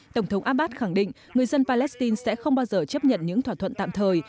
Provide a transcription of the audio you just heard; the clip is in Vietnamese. tổng thống abbas khẳng định người dân palestine sẽ không bao giờ chấp nhận những thỏa thuận tạm thời